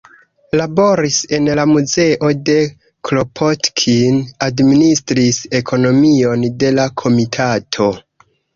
Laboris en la muzeo de Kropotkin, administris ekonomion de la komitato.